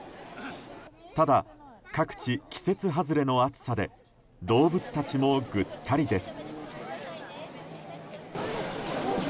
ただ、各地季節外れの暑さで動物たちもぐったりです。